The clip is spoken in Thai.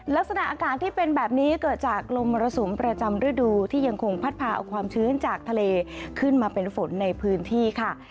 ลักษณะอากาศที่เป็นแบบนี้เกิดจากลมมรสุมประจำฤดูที่ยังคงพัดพาเอาความชื้นจากทะเลขึ้นมาเป็นฝนในพื้นที่ค่ะ